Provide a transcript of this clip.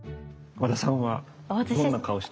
和田さんはどんな顔して？